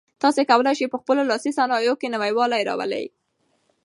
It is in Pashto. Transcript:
تاسي کولای شئ په خپلو لاسي صنایعو کې نوي والی راولئ.